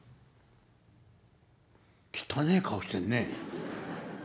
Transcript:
「汚え顔してるね」。